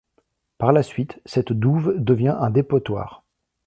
Par la suite, cette douve devient un dépotoir.